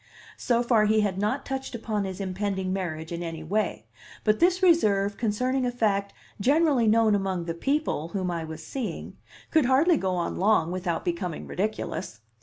So far he had not touched upon his impending marriage in any way, but this reserve concerning a fact generally known among the people whom I was seeing could hardly go on long without becoming ridiculous.